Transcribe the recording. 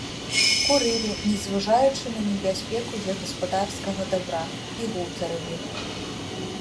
Курылі, не зважаючы на небяспеку для гаспадарскага дабра, і гутарылі.